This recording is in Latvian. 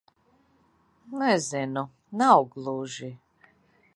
Nezinu. Nav gluži...